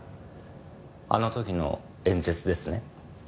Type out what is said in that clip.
あの時の演説ですね？